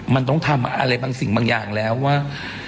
มันต้องทำอะไรบางสิ่งบางอย่างแล้วว่า